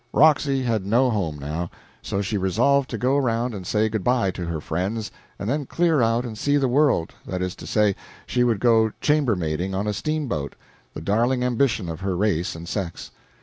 Roxy had no home, now; so she resolved to go around and say good by to her friends and then clear out and see the world that is to say, she would go chambermaiding on a steamboat, the darling ambition of her race and sex.